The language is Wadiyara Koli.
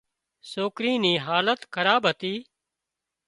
سوڪري نِي حالت خراب هتي